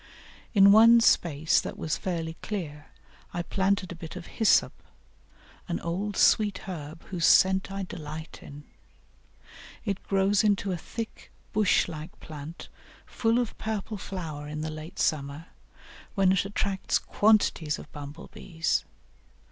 In one space that was fairly clear I planted a bit of Hyssop, an old sweet herb whose scent I delight in; it grows into a thick bush like plant full of purple flower in the late summer, when it attracts quantities of bumble bees.